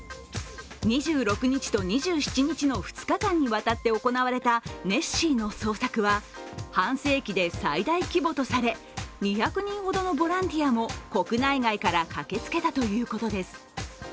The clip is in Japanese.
２６日と２７日の２日間にわたって行われたネッシーの捜索は半世紀で最大規模とされ、２００人ほどのボランティアも国内外から駆けつけたということです。